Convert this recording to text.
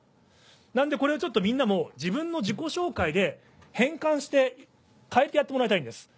なんでこれをみんなも自分の自己紹介で変換して変えてやってもらいたいんです。